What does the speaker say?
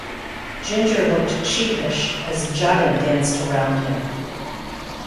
Ginger looked sheepish as Tjaden danced round him.